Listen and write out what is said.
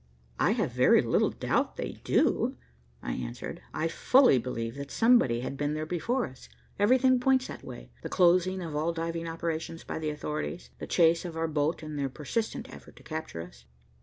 "I have very little doubt they do," I answered, "I fully believe that somebody had been there before us. Everything points that way; the closing of all diving operations by the authorities, the chase of our boat and their persistent effort to capture us."